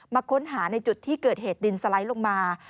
มาค้นหาในจุดที่เกิดเหตุดินสไลด์ลงมา